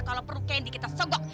kalau perlu kendi kita segak